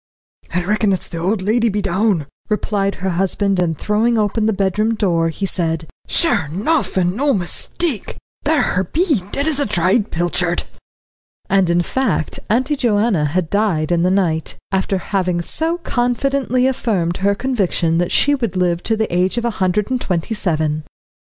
"I reckon it's the old lady be down," replied her husband, and, throwing open the bedroom door, he said: "Sure enough, and no mistake there her be, dead as a dried pilchard." And in fact Auntie Joanna had died in the night, after having so confidently affirmed her conviction that she would live to the age of a hundred and twenty seven.